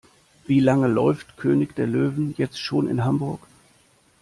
Wie lange läuft König der Löwen jetzt schon in Hamburg?